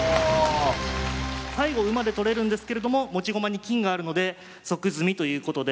最後馬で取れるんですけれども持ち駒に金があるので即詰みということで。